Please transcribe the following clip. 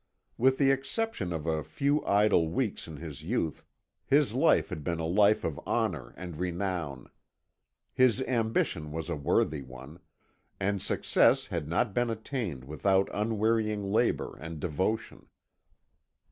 With the exception of a few idle weeks in his youth, his life had been a life of honour and renown. His ambition was a worthy one, and success had not been attained without unwearying labour and devotion.